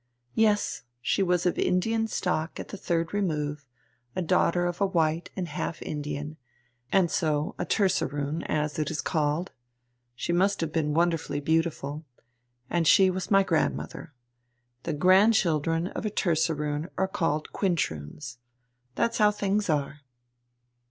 "Yes. She was of Indian stock at the third remove, daughter of a white and a half Indian, and so a terceroon as it is called. She must have been wonderfully beautiful. And she was my grandmother. The grandchildren of a terceroon are called quintroons. That's how things are."